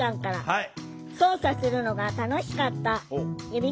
はい。